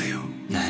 何？